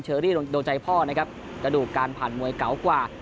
เชอรี่โดนใจพ่อระดูกการผ่านมวยเกาะกว่า